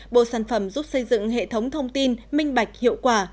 bộ sản phẩm giúp xây dựng hệ thống thông tin minh bạch hiệu quả